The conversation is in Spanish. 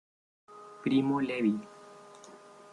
Primo Levi.